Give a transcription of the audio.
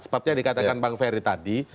sepertinya dikatakan pak ferry tadi